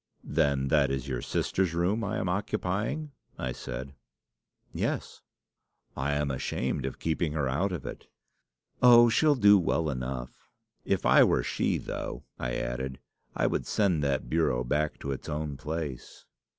"'Then that is your sister's room I am occupying?' I said. "'Yes.' "'I am ashamed of keeping her out of it.' "'Oh! she'll do well enough.' "'If I were she though,' I added, 'I would send that bureau back to its own place.